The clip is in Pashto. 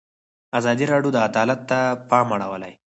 ازادي راډیو د عدالت ته پام اړولی.